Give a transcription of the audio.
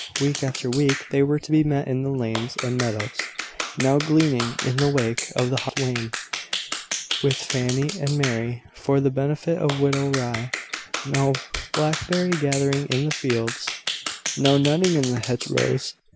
Week after week they were to be met in the lanes and meadows now gleaning in the wake of the harvest wain, with Fanny and Mary, for the benefit of widow Rye; now blackberry gathering in the fields; now nutting in the hedgerows.